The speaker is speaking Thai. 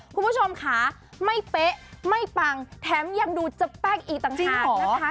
คุณผู้ชมค่ะไม่เป๊ะไม่ปังแถมยังดูจะแป้งอีกต่างหากนะคะ